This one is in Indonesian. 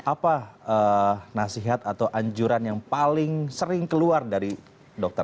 apa nasihat atau anjuran yang paling sering keluar dari dokter